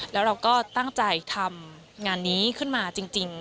แล้วเราก็ตั้งใจทำงานนี้ขึ้นมาจริง